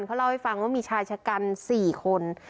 เขาเล่าให้ฟังว่ามีชายชะกัน๔คน